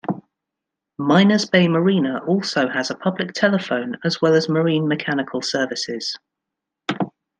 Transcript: Minor's Bay marina also has a public telephone, as well as marine mechanical services.